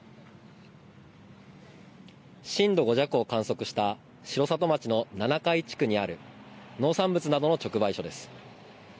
震度５弱を観測した城里町の七会地区にある農産物などの直売所です。